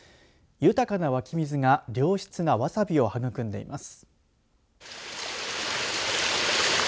豊かな湧き水が良質なわさびを育んでいます。